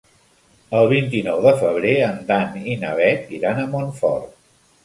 El vint-i-nou de febrer en Dan i na Bet iran a Montfort.